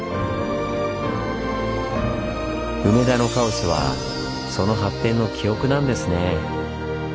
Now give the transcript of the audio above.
梅田のカオスはその発展の記憶なんですね。